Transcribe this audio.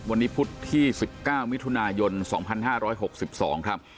วันนี้พุธที่๑๙มิถุนายน๒๕๖๒ครับ